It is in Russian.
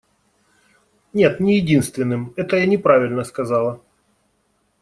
Нет, не единственным - это я неправильно сказала.